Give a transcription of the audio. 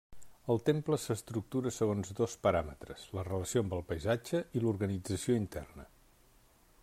El temple s'estructura segons dos paràmetres: la relació amb el paisatge i l'organització interna.